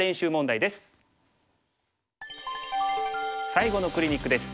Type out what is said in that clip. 最後のクリニックです。